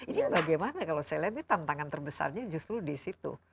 ini bagaimana kalau saya lihat ini tantangan terbesarnya justru di situ